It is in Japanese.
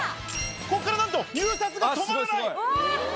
ここからなんと入札が止まらない！